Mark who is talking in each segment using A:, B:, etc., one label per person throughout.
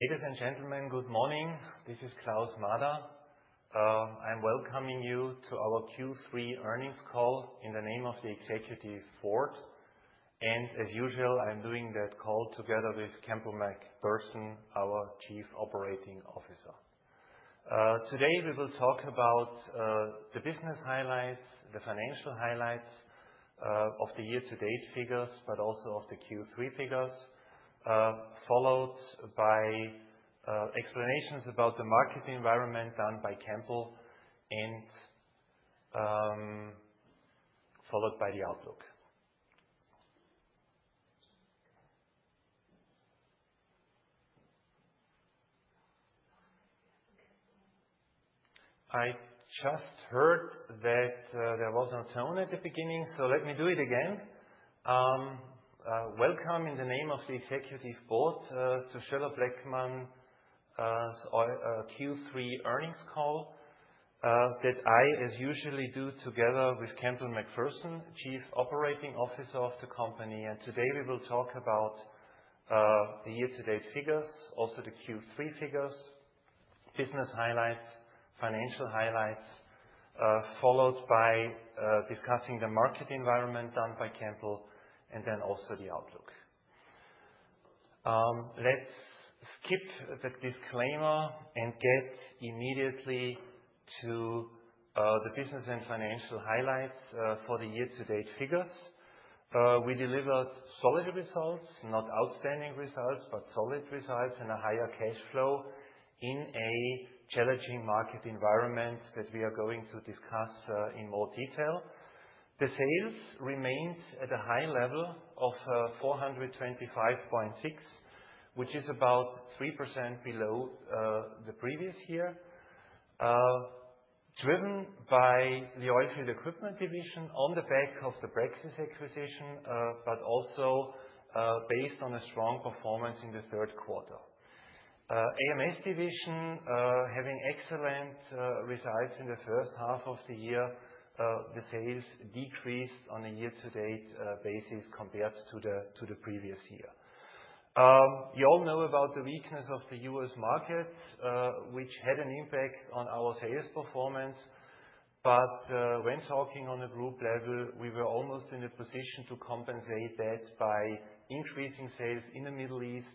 A: Ladies and gentlemen, good morning. This is Klaus Mader. I'm welcoming you to our Q3 earnings call in the name of the executive board. And as usual, I'm doing that call together with Campbell MacPherson, our Chief Operating Officer. Today we will talk about the business highlights, the financial highlights, of the year-to-date figures, but also of the Q3 figures, followed by explanations about the market environment done by Campbell and followed by the outlook. I just heard that there was no tone at the beginning, so let me do it again. Welcome in the name of the executive board to Schoeller-Bleckmann's Q3 earnings call, that I, as usual, do together with Campbell MacPherson, Chief Operating Officer of the company. Today we will talk about the year-to-date figures, also the Q3 figures, business highlights, financial highlights, followed by discussing the market environment done by Campbell, and then also the outlook. Let's skip the disclaimer and get immediately to the business and financial highlights for the year-to-date figures. We delivered solid results, not outstanding results, but solid results and a higher cash flow in a challenging market environment that we are going to discuss in more detail. The sales remained at a high level of 425.6 million, which is about 3% below the previous year, driven by the oilfield equipment division on the back of the Praxis acquisition, but also based on a strong performance in the third quarter. AMS division, having excellent results in the first half of the year, the sales decreased on a year-to-date basis compared to the previous year. You all know about the weakness of the U.S. markets, which had an impact on our sales performance. But when talking on a group level, we were almost in a position to compensate that by increasing sales in the Middle East,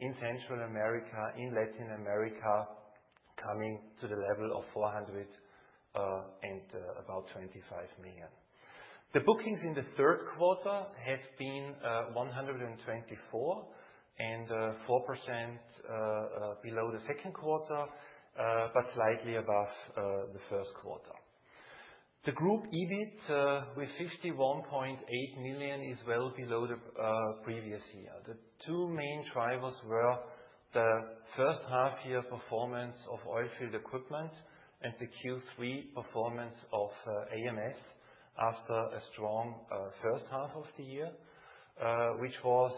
A: in Central America, in Latin America, coming to the level of 425 million. The bookings in the third quarter have been 124 million, 4% below the second quarter, but slightly above the first quarter. The group EBIT with 51.8 million is well below the previous year. The two main drivers were the first half-year performance of oilfield equipment and the Q3 performance of AMS after a strong first half of the year, which was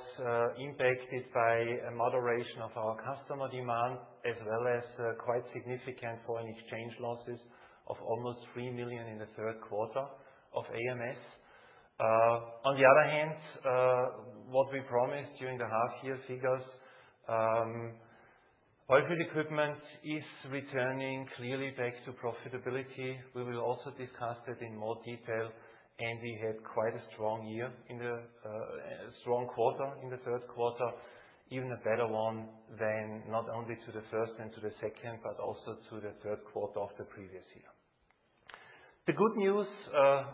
A: impacted by a moderation of our customer demand as well as quite significant foreign exchange losses of almost 3 million in the third quarter of AMS. On the other hand, what we promised during the half-year figures, oilfield equipment is returning clearly back to profitability. We will also discuss that in more detail. We had quite a strong quarter in the third quarter, even a better one than not only the first and the second, but also to the third quarter of the previous year. The good news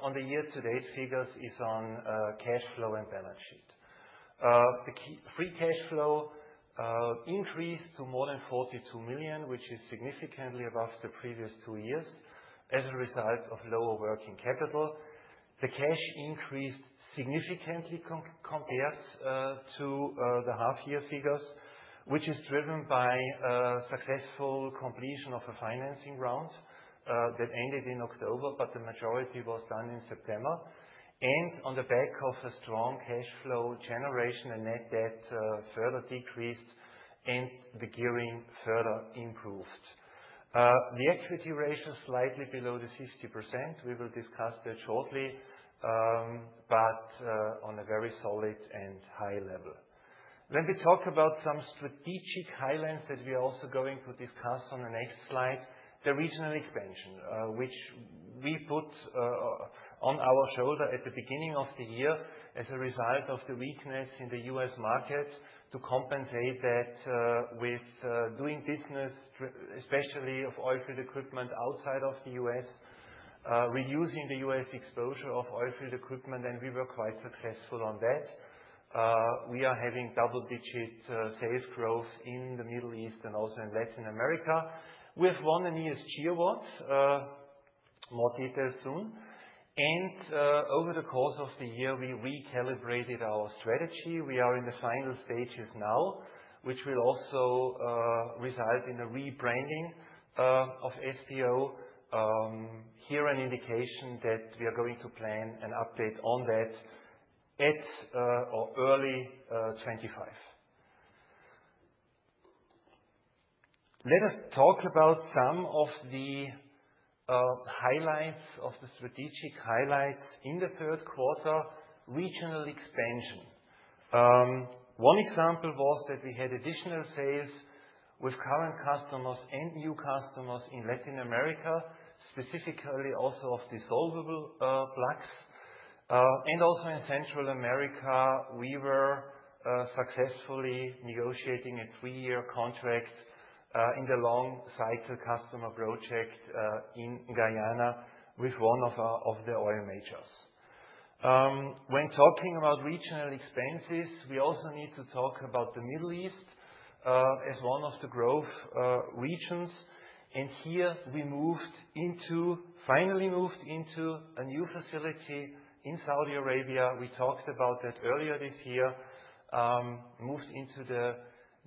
A: on the year-to-date figures is on cash flow and balance sheet. The key free cash flow increased to more than 42 million, which is significantly above the previous two years as a result of lower working capital. The cash increased significantly compared to the half-year figures, which is driven by successful completion of a financing round that ended in October, but the majority was done in September. And on the back of a strong cash flow generation, the net debt further decreased and the gearing further improved. The equity ratio is slightly below the 50%. We will discuss that shortly, but on a very solid and high level. Let me talk about some strategic highlights that we are also going to discuss on the next slide, the regional expansion, which we put on our shoulder at the beginning of the year as a result of the weakness in the U.S. market to compensate that with doing business, especially of oilfield equipment outside of the U.S., reducing the U.S. exposure of oilfield equipment. And we were quite successful on that. We are having double-digit sales growth in the Middle East and also in Latin America. We have won an ESG award, more details soon. And over the course of the year, we recalibrated our strategy. We are in the final stages now, which will also result in a rebranding of SBO. Here an indication that we are going to plan an update on that at or early 2025. Let us talk about some of the highlights of the strategic highlights in the third quarter: regional expansion. One example was that we had additional sales with current customers and new customers in Latin America, specifically also of dissolvable plugs. And also in Central America, we were successfully negotiating a three-year contract in the long-cycle customer project in Guyana with one of the oil majors. When talking about regional expansion, we also need to talk about the Middle East, as one of the growth regions. And here, we finally moved into a new facility in Saudi Arabia. We talked about that earlier this year, moved into the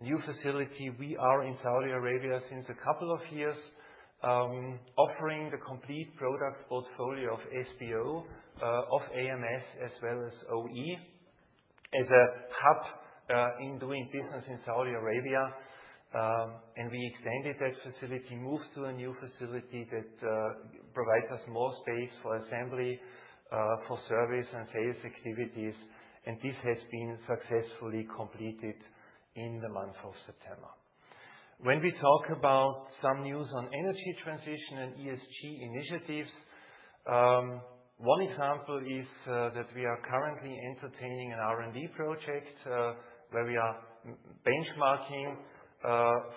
A: new facility. We are in Saudi Arabia since a couple of years, offering the complete product portfolio of SBO, of AMS as well as OE as a hub, in doing business in Saudi Arabia, and we extended that facility, moved to a new facility that provides us more space for assembly, for service and sales activities, and this has been successfully completed in the month of September. When we talk about some news on energy transition and ESG initiatives, one example is that we are currently entertaining an R&D project, where we are benchmarking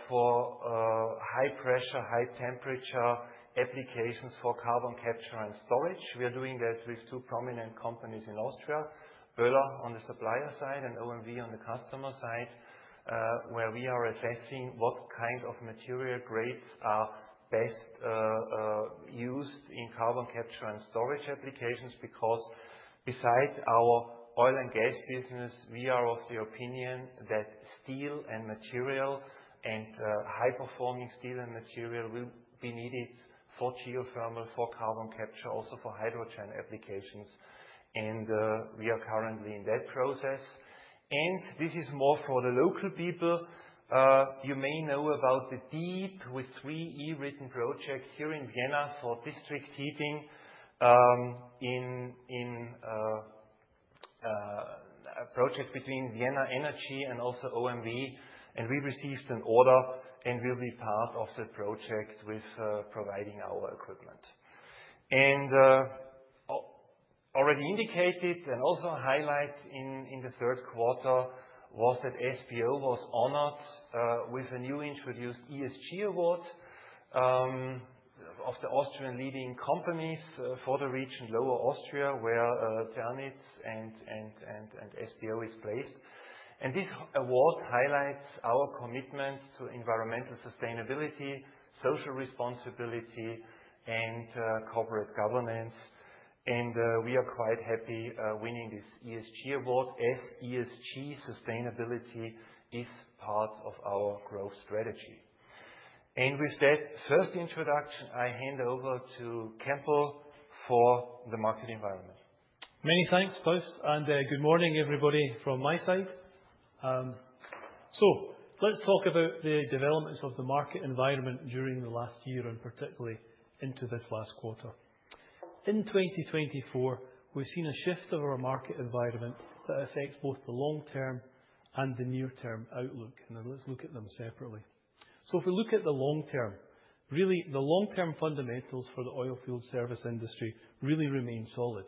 A: for high-pressure high-temperature applications for carbon capture and storage. We are doing that with two prominent companies in Austria, Böhler on the supplier side and OMV on the customer side, where we are assessing what kind of material grades are best used in carbon capture and storage applications. Because beside our oil and gas business, we are of the opinion that steel and material and high-performing steel and material will be needed for geothermal, for carbon capture, also for hydrogen applications. We are currently in that process. This is more for the local people. You may know about the deeep project here in Vienna for district heating, in a project between Wien Energie and also OMV. We received an order and will be part of the project with providing our equipment. Already indicated and also highlighted in the third quarter was that SBO was honored with a newly introduced ESG award of the Austrian leading companies for the region Lower Austria, where Ternitz and SBO is placed. This award highlights our commitment to environmental sustainability, social responsibility, and corporate governance. We are quite happy, winning this ESG award as ESG sustainability is part of our growth strategy. With that first introduction, I hand over to Campbell for the market environment.
B: Many thanks, Klaus. And good morning, everybody from my side. So let's talk about the developments of the market environment during the last year and particularly into this last quarter. In 2024, we've seen a shift of our market environment that affects both the long-term and the near-term outlook. And let's look at them separately. So if we look at the long-term, really the long-term fundamentals for the oilfield service industry really remain solid.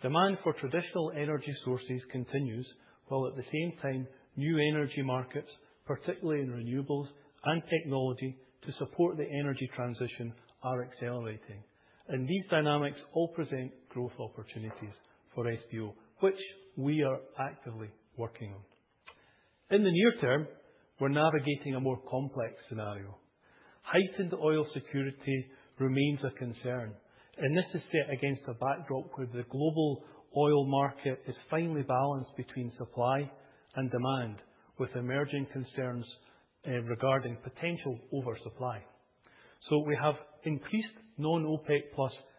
B: Demand for traditional energy sources continues, while at the same time, new energy markets, particularly in renewables and technology to support the energy transition, are accelerating. And these dynamics all present growth opportunities for SBO, which we are actively working on. In the near term, we're navigating a more complex scenario. Heightened oil security remains a concern. This is set against a backdrop where the global oil market is finally balanced between supply and demand with emerging concerns, regarding potential oversupply. We have increased non-OPEC+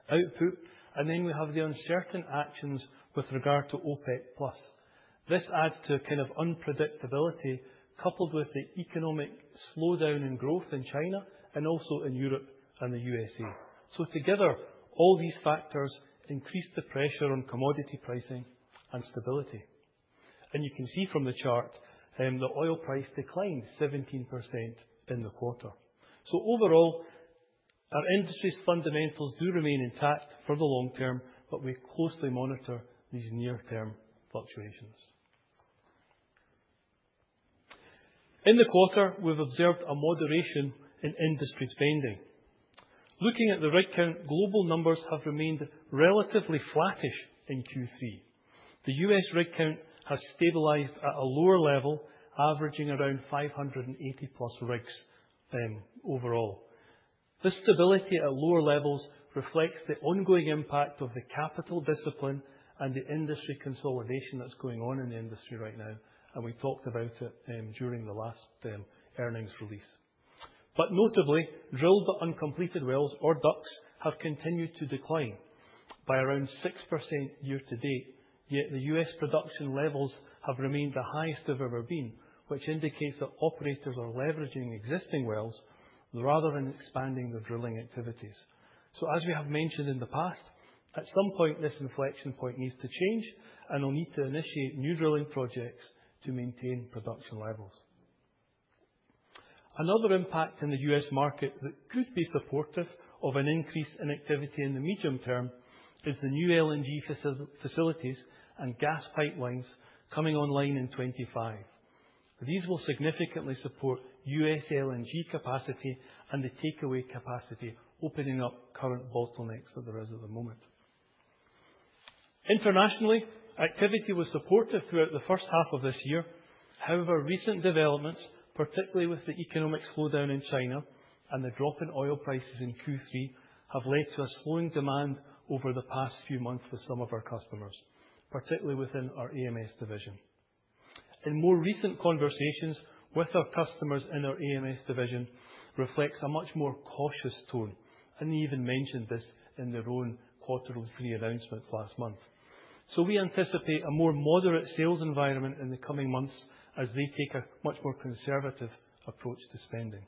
B: output, and then we have the uncertain actions with regard to OPEC+. This adds to a kind of unpredictability coupled with the economic slowdown in growth in China and also in Europe and the USA. Together, all these factors increase the pressure on commodity pricing and stability. You can see from the chart, the oil price declined 17% in the quarter. Overall, our industry's fundamentals do remain intact for the long term, but we closely monitor these near-term fluctuations. In the quarter, we've observed a moderation in industry spending. Looking at the rig count, global numbers have remained relatively flattish in Q3. The U.S. rig count has stabilized at a lower level, averaging around 580 plus rigs, overall. This stability at lower levels reflects the ongoing impact of the capital discipline and the industry consolidation that's going on in the industry right now, and we talked about it during the last earnings release, but notably, drilled but uncompleted wells or DUCs have continued to decline by around 6% year to date. Yet the U.S. production levels have remained the highest they've ever been, which indicates that operators are leveraging existing wells rather than expanding their drilling activities, so as we have mentioned in the past, at some point, this inflection point needs to change, and they'll need to initiate new drilling projects to maintain production levels. Another impact in the U.S. market that could be supportive of an increase in activity in the medium term is the new LNG facilities and gas pipelines coming online in 2025. These will significantly support U.S. LNG capacity and the takeaway capacity, opening up current bottlenecks that there is at the moment. Internationally, activity was supportive throughout the first half of this year. However, recent developments, particularly with the economic slowdown in China and the drop in oil prices in Q3, have led to a slowing demand over the past few months with some of our customers, particularly within our AMS division, and more recent conversations with our customers in our AMS division reflect a much more cautious tone, and they even mentioned this in their own quarterly pre-announcement last month. We anticipate a more moderate sales environment in the coming months as they take a much more conservative approach to spending.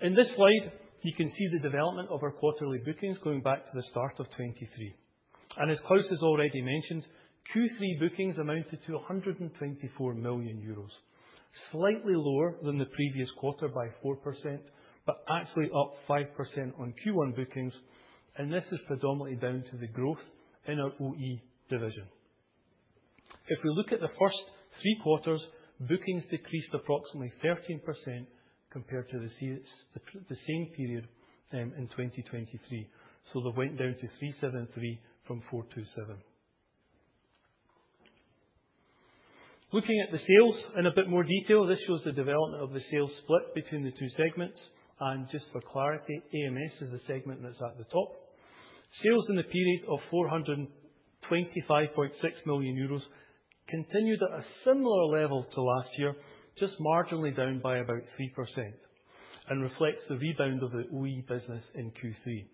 B: In this slide, you can see the development of our quarterly bookings going back to the start of 2023. As Klaus has already mentioned, Q3 bookings amounted to EUR 124 million, slightly lower than the previous quarter by 4%, but actually up 5% on Q1 bookings. This is predominantly down to the growth in our OE division. If we look at the first three quarters, bookings decreased approximately 13% compared to the same period in 2023. They went down to 373 million from 427 million. Looking at the sales in a bit more detail, this shows the development of the sales split between the two segments. Just for clarity, AMS is the segment that's at the top. Sales in the period of 425.6 million euros continued at a similar level to last year, just marginally down by about 3% and reflects the rebound of the OE business in Q3,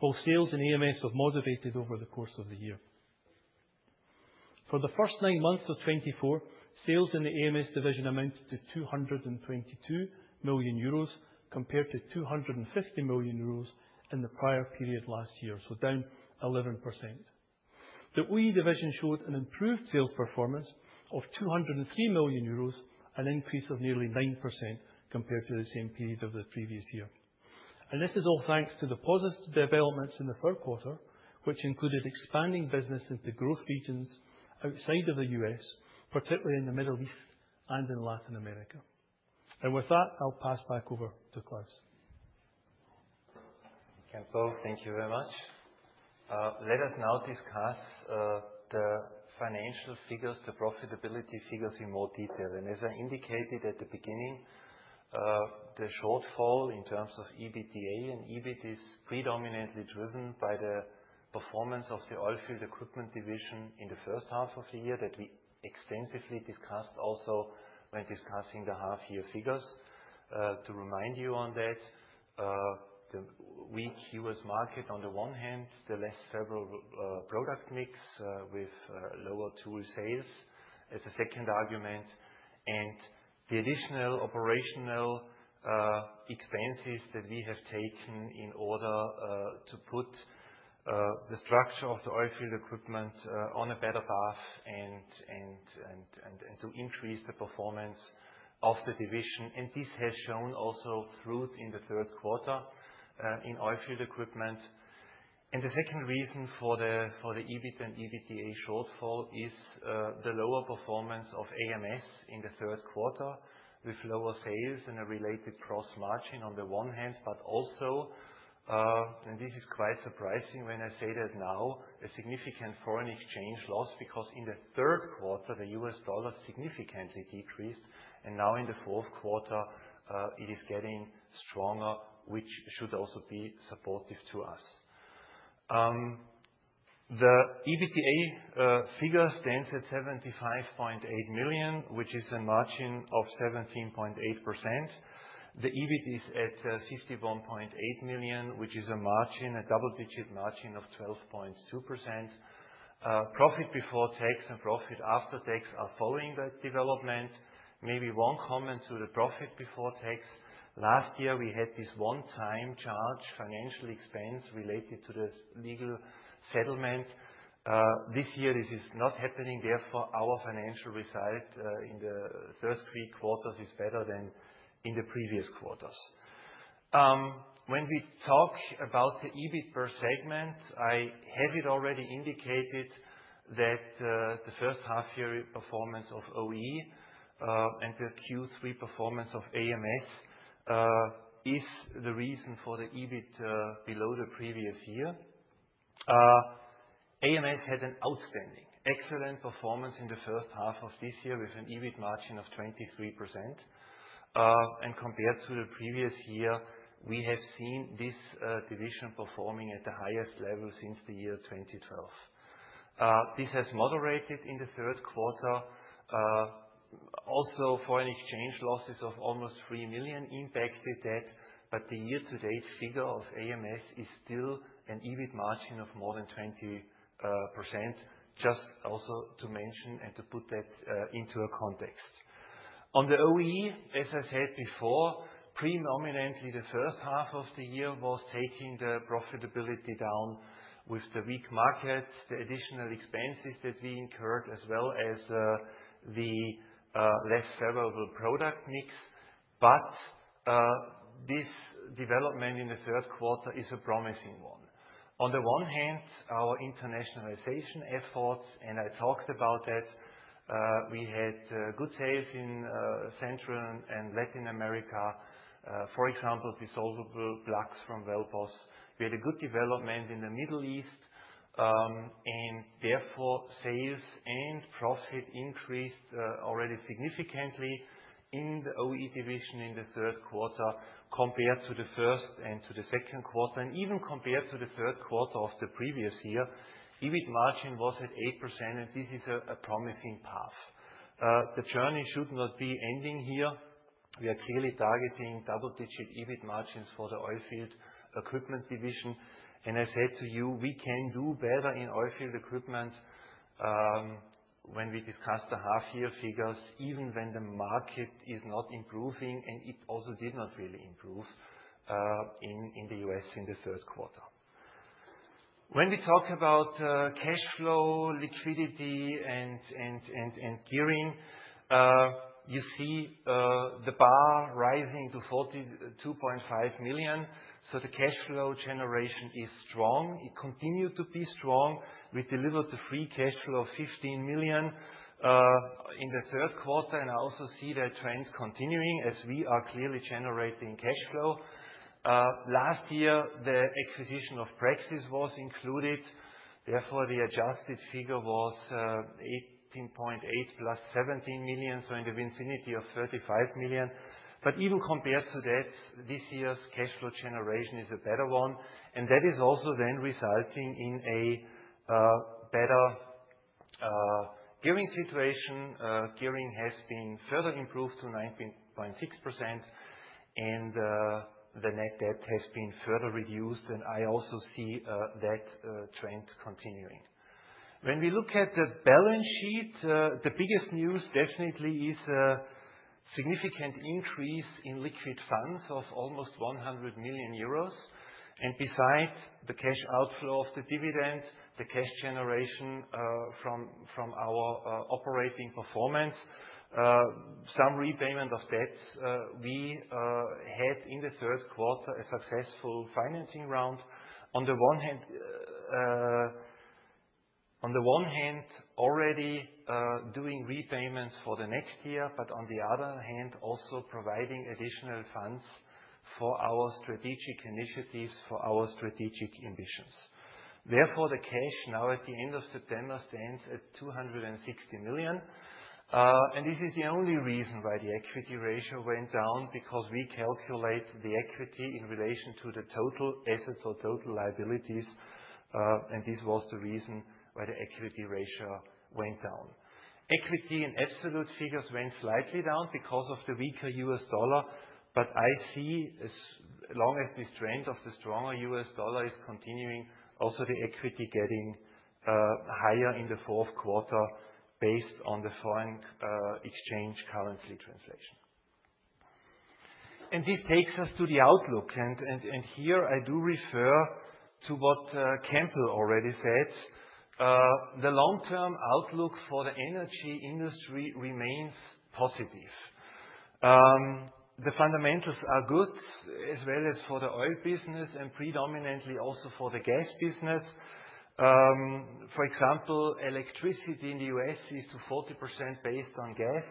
B: while sales in AMS have moderated over the course of the year. For the first nine months of 2024, sales in the AMS division amounted to 222 million euros compared to 250 million euros in the prior period last year, so down 11%. The OE division showed an improved sales performance of 203 million euros, an increase of nearly 9% compared to the same period of the previous year. With that, I'll pass back over to Klaus.
A: Campbell, thank you very much. Let us now discuss the financial figures, the profitability figures in more detail. And as I indicated at the beginning, the shortfall in terms of EBITDA and EBIT is predominantly driven by the performance of the oilfield equipment division in the first half of the year that we extensively discussed also when discussing the half-year figures. To remind you on that, the weak US market on the one hand, the less favorable product mix with lower tool sales as a second argument, and the additional operational expenses that we have taken in order to put the structure of the oilfield equipment on a better path and to increase the performance of the division. And this has shown also fruit in the third quarter in oilfield equipment. And the second reason for the EBIT and EBITDA shortfall is the lower performance of AMS in the third quarter with lower sales and a related gross margin on the one hand, but also, and this is quite surprising when I say that now, a significant foreign exchange loss because in the third quarter, the US dollar significantly decreased. And now in the fourth quarter, it is getting stronger, which should also be supportive to us. The EBITDA figure stands at 75.8 million, which is a margin of 17.8%. The EBIT is at 51.8 million, which is a margin, a double-digit margin of 12.2%. Profit before tax and profit after tax are following that development. Maybe one comment to the profit before tax. Last year, we had this one-time charge financial expense related to the legal settlement. This year, this is not happening. Therefore, our financial result in the first three quarters is better than in the previous quarters. When we talk about the EBIT per segment, I have it already indicated that the first half-year performance of OE and the Q3 performance of AMS is the reason for the EBIT below the previous year. AMS had an outstanding, excellent performance in the first half of this year with an EBIT margin of 23%. And compared to the previous year, we have seen this division performing at the highest level since the year 2012. This has moderated in the third quarter. Also, foreign exchange losses of almost 3 million impacted that. But the year-to-date figure of AMS is still an EBIT margin of more than 20%, just also to mention and to put that into a context. On the OE, as I said before, predominantly, the first half of the year was taking the profitability down with the weak markets, the additional expenses that we incurred, as well as the less favorable product mix, but this development in the third quarter is a promising one. On the one hand, our internationalization efforts, and I talked about that. We had good sales in Central and Latin America, for example, dissolvable plugs from WellBoss. We had a good development in the Middle East, and therefore sales and profit increased already significantly in the OE division in the third quarter compared to the first and to the second quarter, and even compared to the third quarter of the previous year. EBIT margin was at 8%, and this is a promising path. The journey should not be ending here. We are clearly targeting double-digit EBIT margins for the oilfield equipment division. And I said to you, we can do better in oilfield equipment, when we discuss the half-year figures, even when the market is not improving, and it also did not really improve in the US in the third quarter. When we talk about cash flow, liquidity, and gearing, you see the bar rising to 42.5 million. So the cash flow generation is strong. It continued to be strong. We delivered the free cash flow of 15 million in the third quarter. And I also see that trend continuing as we are clearly generating cash flow. Last year, the acquisition of Praxis was included. Therefore, the adjusted figure was 18.8 + 17 million, so in the vicinity of 35 million. But even compared to that, this year's cash flow generation is a better one. That is also then resulting in a better gearing situation. Gearing has been further improved to 19.6%, and the net debt has been further reduced. I also see that trend continuing. When we look at the balance sheet, the biggest news definitely is a significant increase in liquid funds of almost 100 million euros. Beside the cash outflow of the dividend, the cash generation from our operating performance, some repayment of debts, we had in the third quarter a successful financing round. On the one hand, already doing repayments for the next year, but on the other hand, also providing additional funds for our strategic initiatives, for our strategic ambitions. Therefore, the cash now at the end of September stands at 260 million. And this is the only reason why the equity ratio went down, because we calculate the equity in relation to the total assets or total liabilities. And this was the reason why the equity ratio went down. Equity in absolute figures went slightly down because of the weaker U.S. dollar. But I see, as long as this trend of the stronger U.S. dollar is continuing, also the equity getting higher in the fourth quarter based on the foreign exchange currency translation. And this takes us to the outlook. And here I do refer to what Campbell already said. The long-term outlook for the energy industry remains positive. The fundamentals are good as well as for the oil business and predominantly also for the gas business. For example, electricity in the U.S. is to 40% based on gas.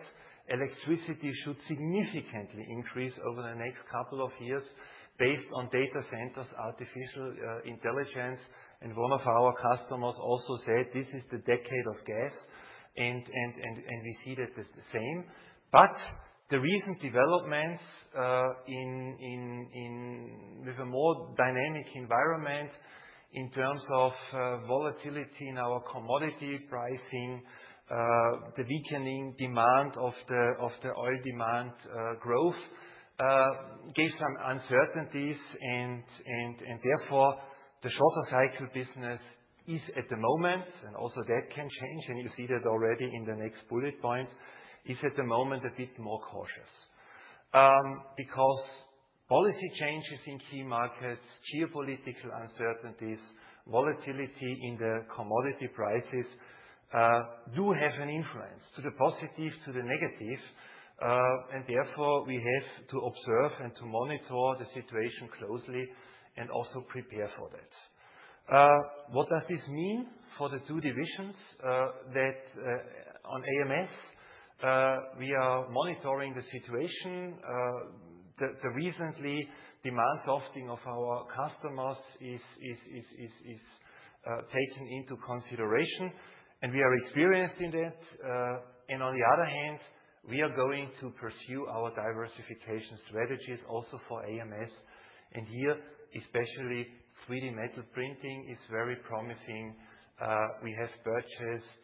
A: Electricity should significantly increase over the next couple of years based on data centers, artificial intelligence. One of our customers also said this is the decade of gas. We see that this is the same, but the recent developments with a more dynamic environment in terms of volatility in our commodity pricing, the weakening demand of the oil demand growth, gave some uncertainties. Therefore, the shorter-cycle business is at the moment, and also that can change, and you see that already in the next bullet point, a bit more cautious, because policy changes in key markets, geopolitical uncertainties, volatility in the commodity prices, do have an influence to the positive, to the negative. Therefore, we have to observe and to monitor the situation closely and also prepare for that. What does this mean for the two divisions? That, on AMS, we are monitoring the situation. The recent demand softening of our customers is taken into consideration, and we are experienced in that. On the other hand, we are going to pursue our diversification strategies also for AMS. Here, especially 3D metal printing is very promising. We have purchased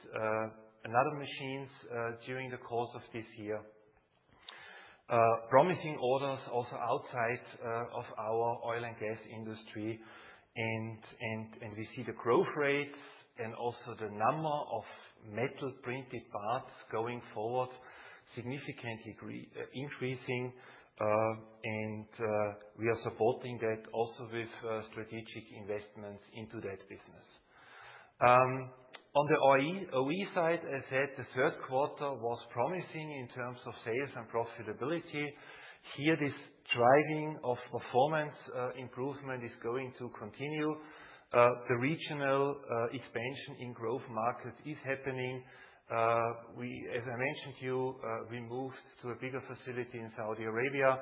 A: another machines during the course of this year, promising orders also outside of our oil and gas industry. We see the growth rates and also the number of metal-printed parts going forward significantly increasing. We are supporting that also with strategic investments into that business. On the OE side, as I said, the third quarter was promising in terms of sales and profitability. Here, this driving of performance improvement is going to continue. The regional expansion in growth markets is happening. We, as I mentioned to you, moved to a bigger facility in Saudi Arabia.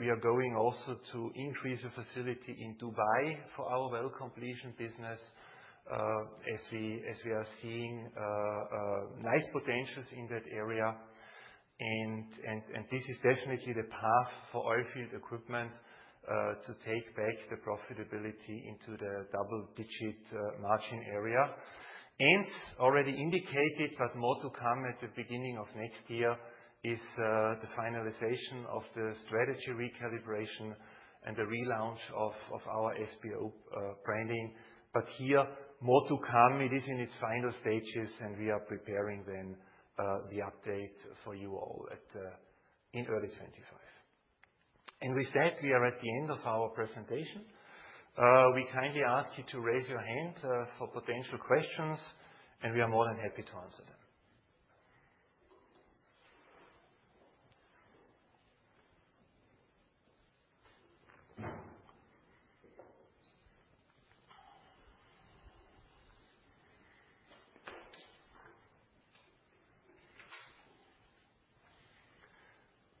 A: We are going also to increase the facility in Dubai for our well completion business, as we are seeing nice potentials in that area. And this is definitely the path for oilfield equipment to take back the profitability into the double-digit margin area. And already indicated, but more to come at the beginning of next year is the finalization of the strategy recalibration and the relaunch of our SBO branding. But here, more to come. It is in its final stages, and we are preparing then the update for you all at in early 2025. And with that, we are at the end of our presentation. We kindly ask you to raise your hand for potential questions, and we are more than happy to answer them.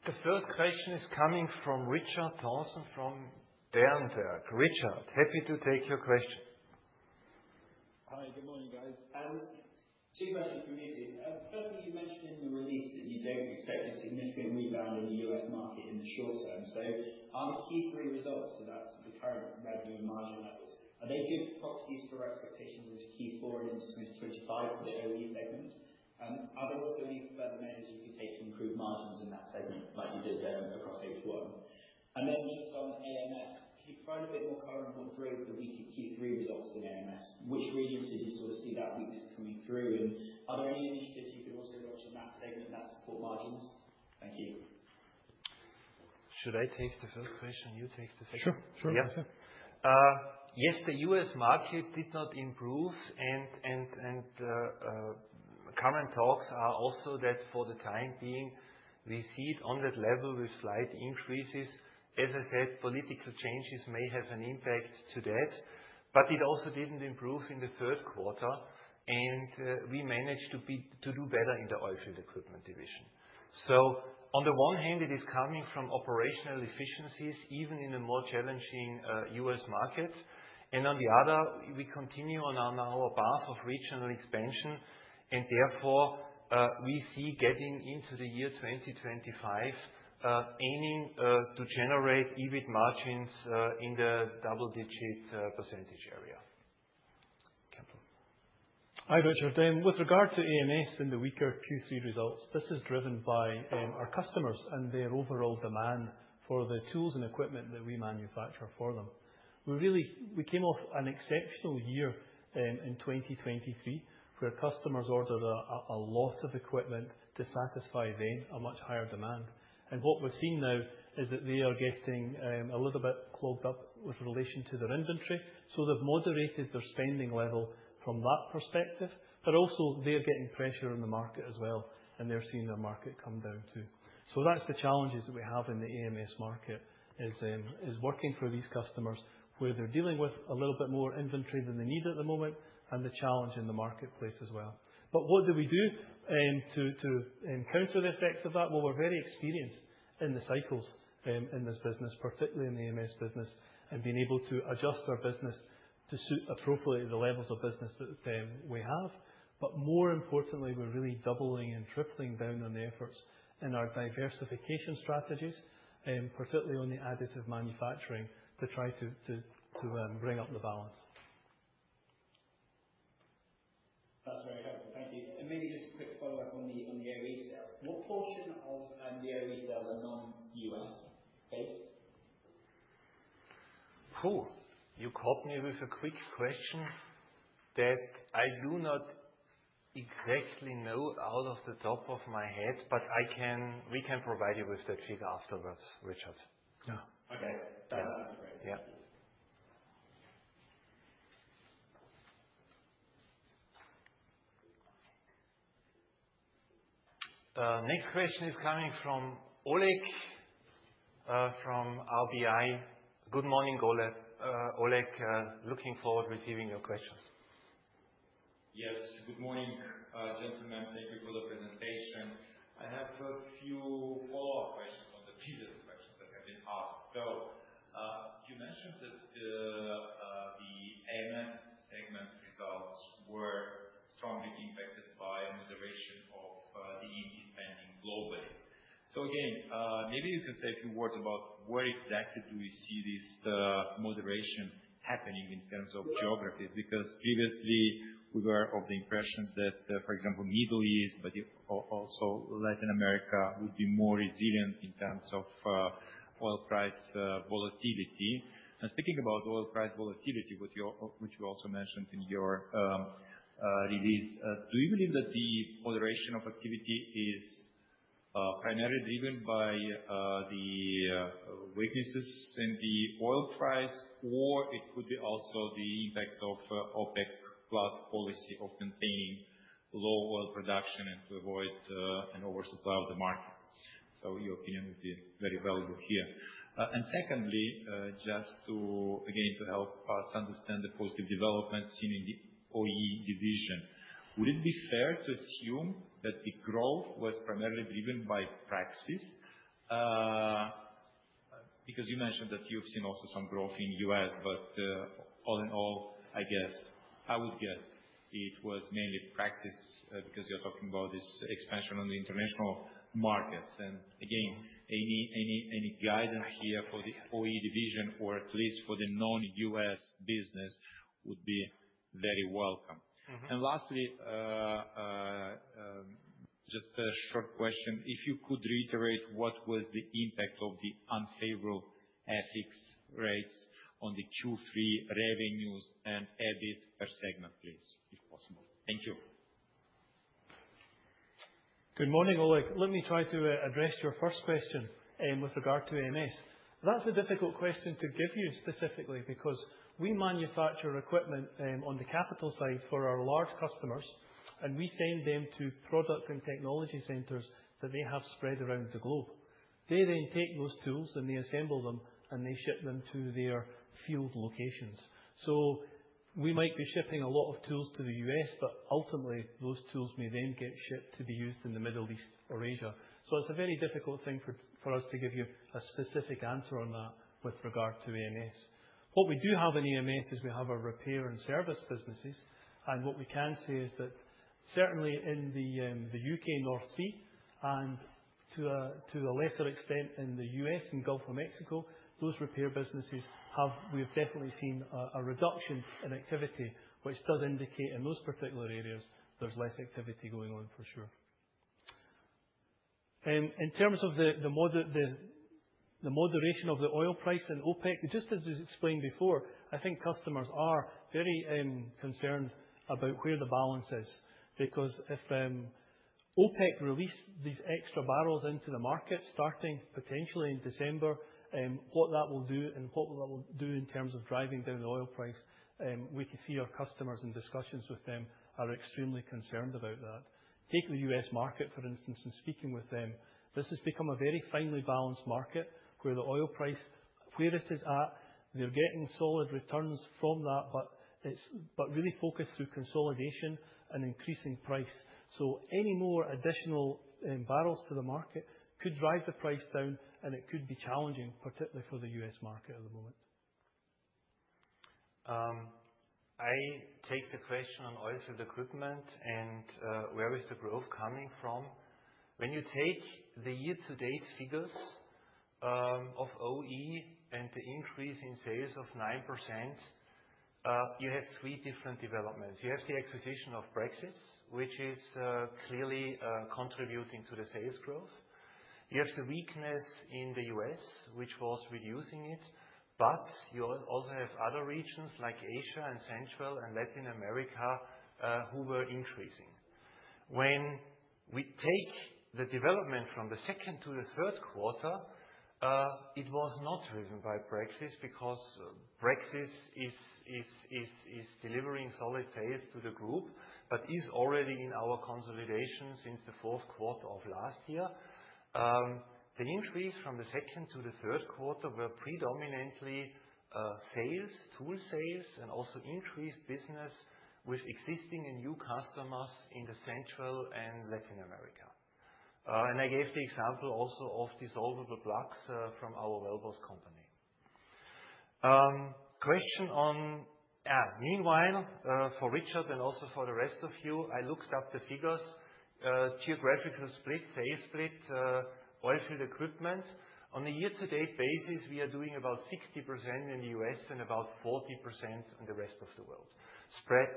A: The first question is coming from Richard Torn from Berenberg. Richard, happy to take your question.
C: Hi, good morning, guys. Two questions for me. Firstly, you mentioned in the release that you don't expect a significant rebound in the U.S. market in the short term. So are the Q3 results to that, the current revenue and margin levels, are they good proxies for expectations into Q4 and into 2025 for the OE segment? Are there also any further measures you could take to improve margins in that segment, like you did across H1? And then just on AMS, can you provide a bit more color on what drove the weaker Q3 results in AMS? Which regions did you sort of see that weakness coming through? Are there any initiatives you could also launch in that segment that support margins? Thank you. Should I take the first question? You take the second. Sure. Yes, the U.S. market did not improve. And current talks are also that for the time being, we see it on that level with slight increases. As I said, political changes may have an impact to that, but it also didn't improve in the third quarter. We managed to do better in the oilfield equipment division. So on the one hand, it is coming from operational efficiencies, even in the more challenging U.S. markets. And on the other, we continue on our path of regional expansion. Therefore, we see getting into the year 2025, aiming to generate EBIT margins in the double-digit percentage area. Campbell.
B: Hi Richard. With regard to AMS and the weaker Q3 results, this is driven by our customers and their overall demand for the tools and equipment that we manufacture for them. We really came off an exceptional year in 2023, where customers ordered a lot of equipment to satisfy then a much higher demand. What we've seen now is that they are getting a little bit clogged up with relation to their inventory. So they've moderated their spending level from that perspective, but also they're getting pressure in the market as well, and they're seeing their market come down too. So that's the challenges that we have in the AMS market is working for these customers where they're dealing with a little bit more inventory than they need at the moment and the challenge in the marketplace as well. But what do we do to encounter the effects of that? Well, we're very experienced in the cycles in this business, particularly in the AMS business, and being able to adjust our business to suit appropriately the levels of business that we have. But more importantly, we're really doubling and tripling down on the efforts in our diversification strategies, particularly on the additive manufacturing to try to bring up the balance.
D: That's very helpful. Thank you. And maybe just a quick follow-up on the OE sales. What portion of the OE sales are non-U.S. based?
B: Oh, you caught me with a quick question that I do not exactly know out of the top of my head, but we can provide you with that figure afterwards, Richard.
D: Yeah. Okay. That would be great. Yeah.
A: Next question is coming from Oleg from RBI. Good morning, Oleg. Oleg, looking forward to receiving your questions.
E: Yes. Good morning, gentlemen. Thank you for the presentation. I have a few follow-up questions on the previous questions that have been asked. You mentioned that the AMS segment results were strongly impacted by a moderation of the EV spending globally. Again, maybe you can say a few words about where exactly do we see this moderation happening in terms of geographies. Because previously, we were of the impression that, for example, Middle East, but also Latin America would be more resilient in terms of oil price volatility. Speaking about oil price volatility, what, which you also mentioned in your release, do you believe that the moderation of activity is primarily driven by the weaknesses in the oil price, or it could be also the impact of OPEC+ policy of maintaining low oil production and to avoid an oversupply of the market? So your opinion would be very valuable here. And secondly, just again to help us understand the positive developments seen in the OE division, would it be fair to assume that the growth was primarily driven by Praxis? Because you mentioned that you've seen also some growth in the US, but all in all, I guess, I would guess it was mainly Praxis, because you're talking about this expansion on the international markets. Again, any guidance here for the OE division, or at least for the non-U.S. business, would be very welcome. Lastly, just a short question. If you could reiterate, what was the impact of the unfavorable exchange rates on the Q3 revenues and EBIT per segment, please, if possible?
A: Thank you. Good morning, Oleg. Let me try to address your first question, with regard to AMS. That's a difficult question to give you specifically because we manufacture equipment, on the capital side for our large customers, and we send them to product and technology centers that they have spread around the globe. They then take those tools and they assemble them, and they ship them to their field locations. We might be shipping a lot of tools to the U.S., but ultimately, those tools may then get shipped to be used in the Middle East or Asia. It's a very difficult thing for us to give you a specific answer on that with regard to AMS. What we do have in AMS is we have our repair and service businesses. What we can say is that certainly in the U.K. North Sea and to a lesser extent in the U.S. and Gulf of Mexico, those repair businesses, we've definitely seen a reduction in activity, which does indicate in those particular areas there's less activity going on for sure. In terms of the moderation of the oil price and OPEC, just as we explained before, I think customers are very concerned about where the balance is because if OPEC release these extra barrels into the market starting potentially in December, what that will do in terms of driving down the oil price, we can see our customers and discussions with them are extremely concerned about that. Take the U.S. market, for instance, and speaking with them, this has become a very finely balanced market where the oil price, where it is at, they're getting solid returns from that, but it's really focused through consolidation and increasing price. So any more additional barrels to the market could drive the price down, and it could be challenging, particularly for the U.S. market at the moment. I take the question on oilfield equipment and where is the growth coming from? When you take the year-to-date figures of OE and the increase in sales of 9%, you have three different developments. You have the acquisition of Praxis, which is clearly contributing to the sales growth. You have the weakness in the U.S., which was reducing it, but you also have other regions like Asia and Central and Latin America, who were increasing. When we take the development from the second to the third quarter, it was not driven by Praxis because Praxis is delivering solid sales to the group but is already in our consolidation since the fourth quarter of last year. The increase from the second to the third quarter were predominantly sales, tool sales, and also increased business with existing and new customers in the Central and Latin America. And I gave the example also of dissolvable plugs from our WellBoss company. Question on, meanwhile, for Richard and also for the rest of you, I looked up the figures, geographical split, sales split, oilfield equipment. On a year-to-date basis, we are doing about 60% in the U.S. and about 40% in the rest of the world, spread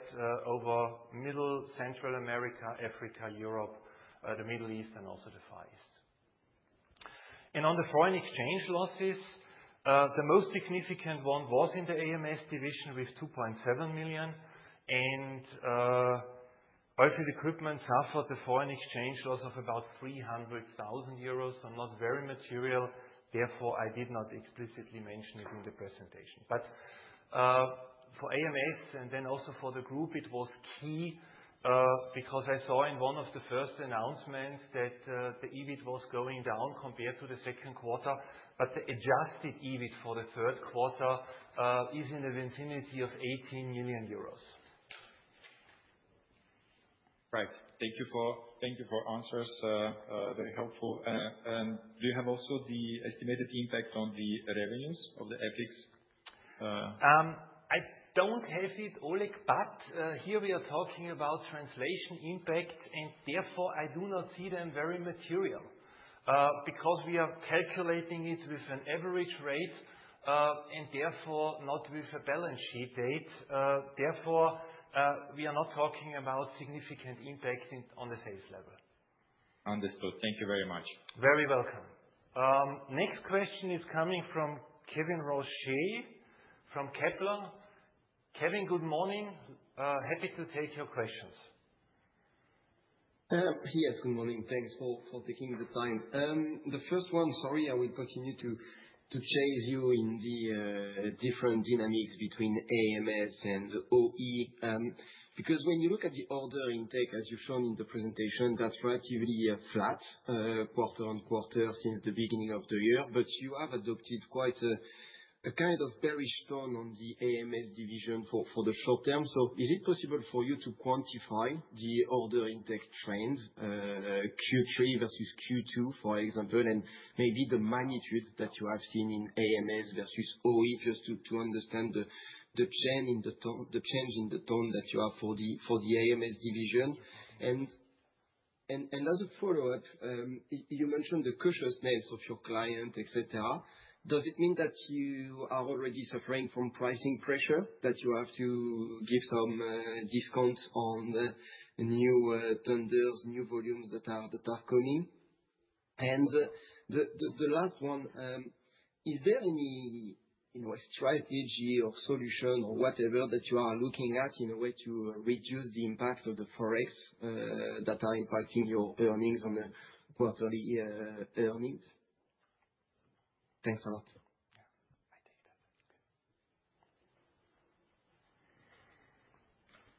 A: over Mexico, Central America, Africa, Europe, the Middle East, and also the Far East. And on the foreign exchange losses, the most significant one was in the AMS division with 2.7 million. And oilfield equipment suffered the foreign exchange loss of about 300,000 euros. It's not very material. Therefore, I did not explicitly mention it in the presentation. But for AMS and then also for the group, it was key, because I saw in one of the first announcements that the EBIT was going down compared to the second quarter, but the adjusted EBIT for the third quarter is in the vicinity of 18 million euros. Right. Thank you for answers, very helpful. And do you have also the estimated impact on the revenues of the FX? I don't have it, Oleg, but here we are talking about translation impact, and therefore I do not see them very material, because we are calculating it with an average rate, and therefore not with a balance sheet date. Therefore we are not talking about significant impact on the sales level.
E: Understood. Thank you very much.
A: Very welcome. Next question is coming from Kevin Roger from Kepler. Kevin, good morning. Happy to take your questions.
F: Yes, good morning. Thanks for taking the time. The first one, sorry. I will continue to chase you on the different dynamics between AMS and OE, because when you look at the order intake, as you've shown in the presentation, that's relatively flat, quarter on quarter since the beginning of the year, but you have adopted quite a kind of bearish tone on the AMS division for the short term. So is it possible for you to quantify the order intake trend, Q3 vs. Q2, for example, and maybe the magnitude that you have seen in AMS versus OE just to understand the change in the tone that you have for the AMS division? And as a follow-up, you mentioned the cautiousness of your client, etc. Does it mean that you are already suffering from pricing pressure that you have to give some discounts on new tenders, new volumes that are coming? And the last one, is there any, you know, a strategy or solution or whatever that you are looking at in a way to reduce the impact of the forex that are impacting your earnings on the quarterly earnings? Thanks a lot.
A: Yeah. I take that. That's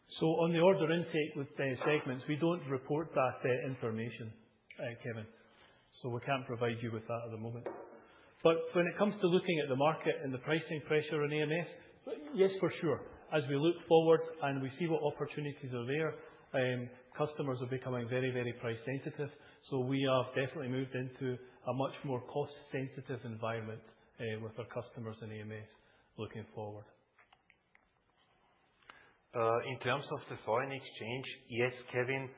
A: good. So on the order intake with the segments, we don't report that information, Kevin, so we can't provide you with that at the moment. But when it comes to looking at the market and the pricing pressure on AMS, yes, for sure. As we look forward and we see what opportunities are there, customers are becoming very, very price sensitive. So we have definitely moved into a much more cost-sensitive environment, with our customers in AMS looking forward. In terms of the foreign exchange, yes, Kevin,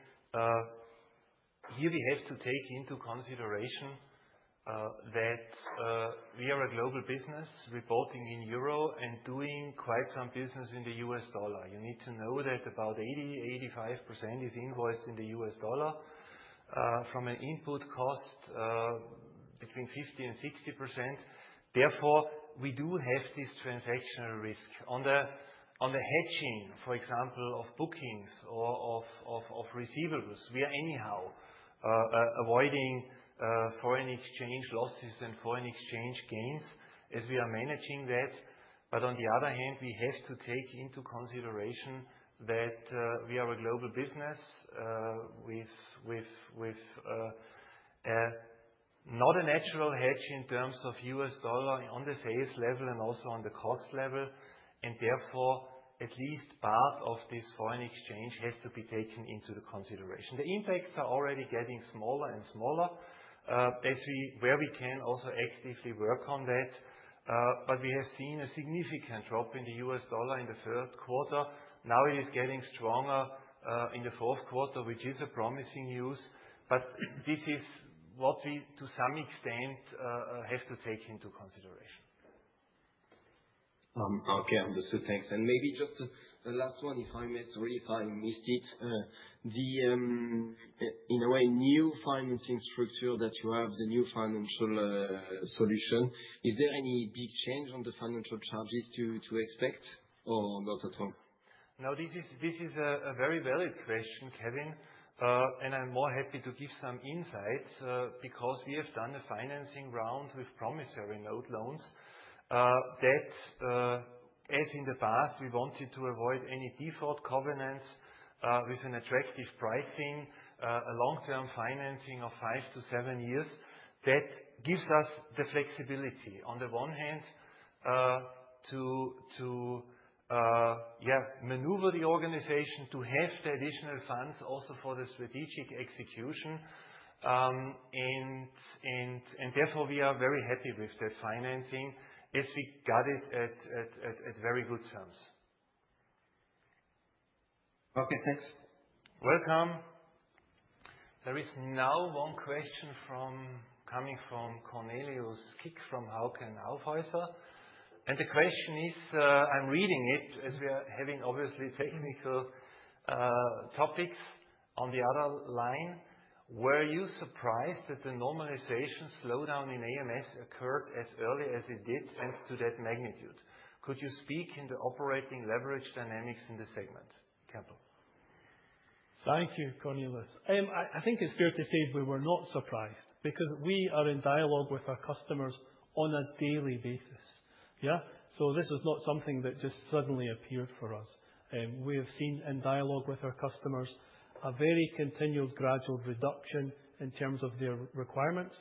A: here we have to take into consideration that we are a global business reporting in euro and doing quite some business in the U.S. dollar. You need to know that about 80%-85% is invoiced in the U.S. dollar, from an input cost, between 50 and 60%. Therefore, we do have this transactional risk. On the hedging, for example, of bookings or of receivables, we are anyhow avoiding foreign exchange losses and foreign exchange gains as we are managing that. But on the other hand, we have to take into consideration that we are a global business, with not a natural hedge in terms of US dollar on the sales level and also on the cost level. And therefore, at least part of this foreign exchange has to be taken into the consideration. The impacts are already getting smaller and smaller, as we, where we can also actively work on that. But we have seen a significant drop in the U.S. dollar in the third quarter. Now it is getting stronger in the fourth quarter, which is a promising news. But this is what we, to some extent, have to take into consideration.
F: Okay. Understood. Thanks. And maybe just the, the last one, if I may, sorry if I missed it, the, in a way, new financing structure that you have, the new financial solution, is there any big change on the financial charges to, to expect or not at all?
A: No, this is this is a, a very valid question, Kevin. And I'm more happy to give some insights, because we have done a financing round with promissory note loans that, as in the past, we wanted to avoid any default covenants with an attractive pricing, a long-term financing of five-to-seven years that gives us the flexibility on the one hand to yeah maneuver the organization to have the additional funds also for the strategic execution and therefore we are very happy with that financing as we got it at very good terms.
F: Okay. Thanks.
A: Welcome. There is now one question from Cornelius Kick from Hauck Aufhäuser, and the question is, I'm reading it as we are having obviously technical topics on the other line.
G: Were you surprised that the normalization slowdown in AMS occurred as early as it did and to that magnitude? Could you speak in the operating leverage dynamics in the segment, Kepler?
A: Thank you, Cornelius. I think it's fair to say we were not surprised because we are in dialogue with our customers on a daily basis. Yeah? So this is not something that just suddenly appeared for us. We have seen in dialogue with our customers a very continued gradual reduction in terms of their requirements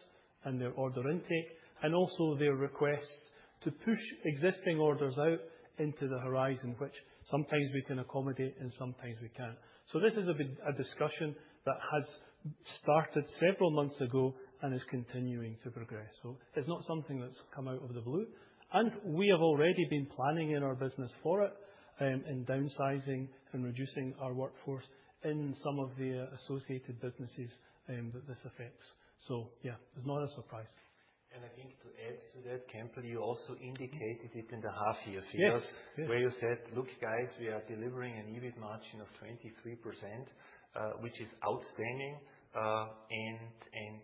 A: and their order intake and also their requests to push existing orders out into the horizon, which sometimes we can accommodate and sometimes we can't. So this is a bit a discussion that has started several months ago and is continuing to progress. So it's not something that's come out of the blue. And we have already been planning in our business for it, in downsizing and reducing our workforce in some of the associated businesses, that this affects. So yeah, it's not a surprise. And I think to add to that, Kepler, you also indicated it in the half-year figures where you said, "Look, guys, we are delivering an EBIT margin of 23%," which is outstanding. And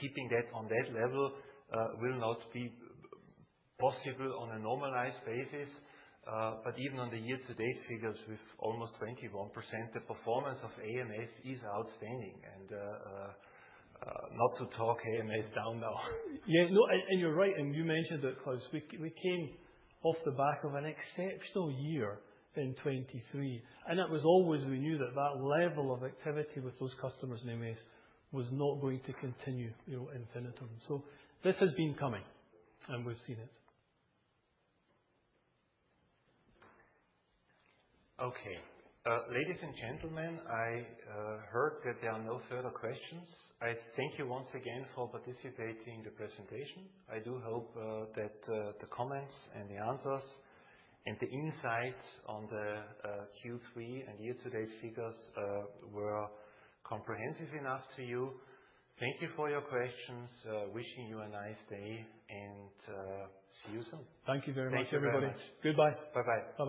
A: keeping that on that level will not be possible on a normalized basis. But even on the year-to-date figures with almost 21%, the performance of AMS is outstanding. And not to talk AMS down now.
F: Yeah. No, and you're right. And you mentioned it, Klaus. We came off the back of an exceptional year in 2023, and that was always we knew that that level of activity with those customers in AMS was not going to continue, you know, infinitum. So this has been coming, and we've seen it. Okay. Ladies and gentlemen, I heard that there are no further questions.
A: I thank you once again for participating in the presentation. I do hope that the comments and the answers and the insights on the Q3 and year-to-date figures were comprehensive enough to you. Thank you for your questions. Wishing you a nice day and see you soon. Thank you very much, everybody.
F: Thank you very much. Goodbye. Bye-bye. Bye-bye.